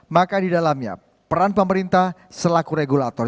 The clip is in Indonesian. maka di dalamnya peran pemerintah selaku regulator